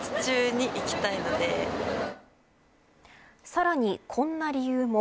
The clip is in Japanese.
さらに、こんな理由も。